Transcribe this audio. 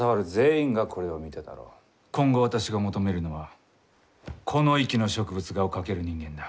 今後私が求めるのはこの域の植物画を描ける人間だ。